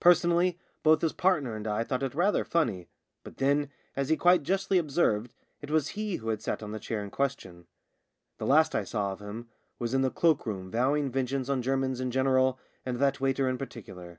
Personally both his partner and I thought it rather funny — but then, as he quite justly observed, it was he who had sat on the chair in question. The last I saw of him was in the cloak room vowing vengeance on Germans in general and that waiter in particular.